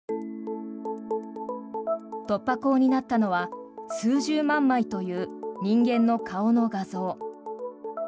突破口になったのは数十万枚という人間の顔の画像。